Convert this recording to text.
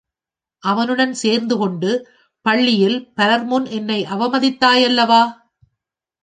அவனுடன் சேர்ந்துகொண்டு பள்ளியில் பலர் முன் என்னை அவமதித்தாயல்லவா?